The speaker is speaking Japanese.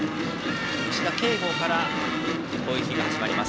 吉田慶剛から攻撃が始まります。